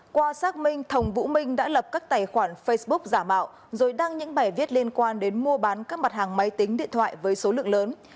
qua xác minh thồng vũ minh đã lập các tài khoản facebook giả mạo rồi đăng những bài viết liên quan đến mua bán các mặt hàng máy tính điện thoại với số lượng lớn